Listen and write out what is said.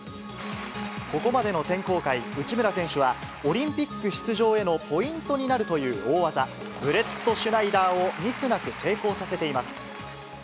ここまでの選考会、内村選手は、オリンピック出場へのポイントになるという大技、ブレットシュナイダーをミスなく成功させています。